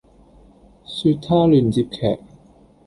說他亂接劇